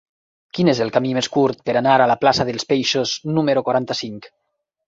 Quin és el camí més curt per anar a la plaça dels Peixos número quaranta-cinc?